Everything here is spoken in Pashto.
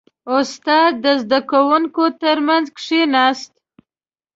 • استاد د زده کوونکو ترمنځ کښېناست.